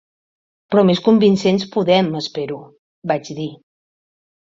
"Però més convincents podem, espero", vaig dir.